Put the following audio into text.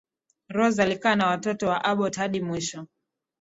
rose alikaa na watoto wa abbott hadi mwisho